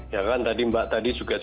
ya kan tadi mbak tadi juga